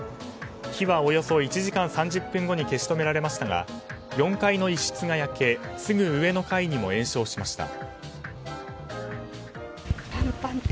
火はおよそ１時間３０分後に消し止められましたが４階の１室が焼けすぐ上の階にも延焼しました。